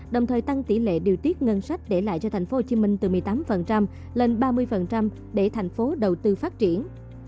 đồng thời tăng tỷ lệ điều tiết ngân sách để lại cho tp hcm từ một mươi tám lên ba mươi để thành phố đầu tư phát triển